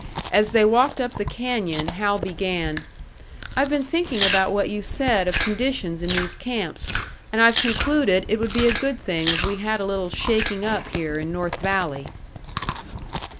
As they walked up the canyon, Hal began, "I've been thinking about what you said of conditions in these camps, and I've concluded it would be a good thing if we had a little shaking up here in North Valley."